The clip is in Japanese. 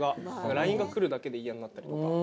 ＬＩＮＥが来るだけで嫌になったりとか。